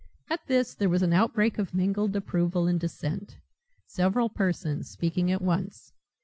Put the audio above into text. At this there was an outbreak of mingled approval and dissent, several persons speaking at once.